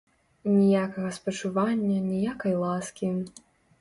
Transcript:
Ніякага спачування, ніякай ласкі.